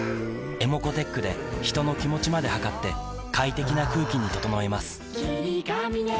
ｅｍｏｃｏーｔｅｃｈで人の気持ちまで測って快適な空気に整えます